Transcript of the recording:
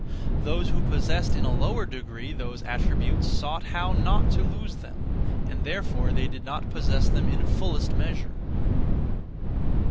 (Those who) possessed in a lower degree those attributes (sought how) not to lose them, and therefore they did not possess them (in fullest measure).